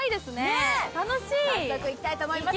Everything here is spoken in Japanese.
早速行きたいと思いますよ。